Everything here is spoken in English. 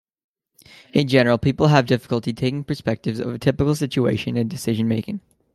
In general, people have difficulty taking perspectives of a typical situation and decision making.